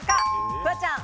フワちゃん。